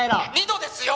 「２度ですよ！」